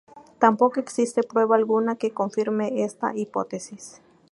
Tampoco existe prueba alguna que confirme esta hipótesis.